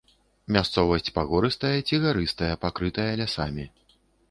Мясцовасць пагорыстая ці гарыстая, пакрытая лясамі.